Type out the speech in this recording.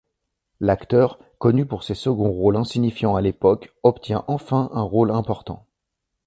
L'acteur, connu pour ses seconds rôles insignifiants à l'époque, obtient enfin un rôle important.